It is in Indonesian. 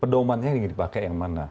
pedaumannya ingin dipakai yang mana